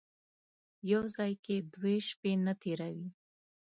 یو ځای کې دوې شپې نه تېروي.